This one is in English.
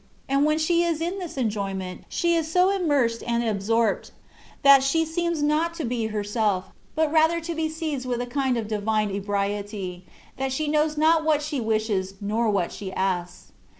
And when she isL t£ en^ymeSt, she is so immersed and absorpt^ that she seems not to be herself^ but rather to be seized with a kind of divine ebriety,* that she knows not what she wishes^ nor what she asks.